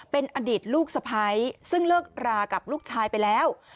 เป็นอดีตลูกสะพ้ายซึ่งเลิกรากับลูกชายไปแล้ว